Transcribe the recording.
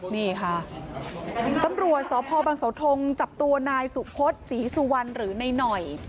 นี่ค่ะตำรวจสพบังเสาทงจับตัวนายสุพศศรีสุวรรณหรือนายหน่อย